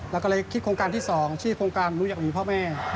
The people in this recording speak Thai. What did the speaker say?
แล้วก็เลยคิดโครงการที่๒ชื่อโครงการนุยกหวีพ่อแม่